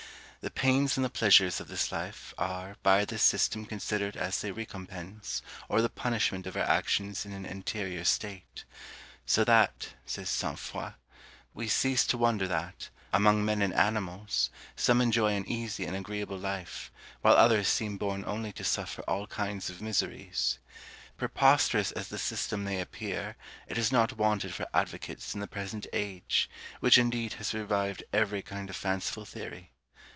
The pains and the pleasures of this life are by this system considered as the recompense or the punishment of our actions in an anterior state: so that, says St. Foix, we cease to wonder that, among men and animals, some enjoy an easy and agreeable life, while others seem born only to suffer all kinds of miseries. Preposterous as this system may appear, it has not wanted for advocates in the present age, which indeed has revived every kind of fanciful theory.